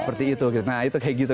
seperti itu nah itu kayak gitu